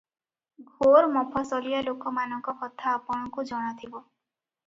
ଘୋର ମଫସଲିଆ ଲୋକମାନଙ୍କ କଥା ଆପଣଙ୍କୁ ଜଣାଥିବ ।